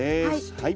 はい。